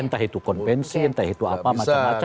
entah itu konvensi entah itu apa macam macam